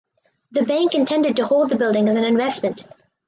The bank intended to hold the building as an investment.